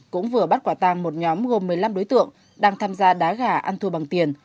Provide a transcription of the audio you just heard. cũng vừa bắt quả tang một nhóm gồm một mươi năm đối tượng đang tham gia đá gà ăn thua bằng tiền